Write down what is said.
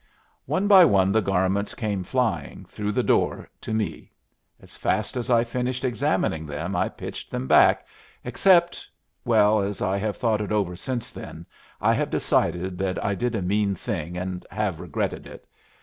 One by one the garments came flying through the door to me. As fast as I finished examining them I pitched them back, except Well, as I have thought it over since then, I have decided that I did a mean thing, and have regretted it.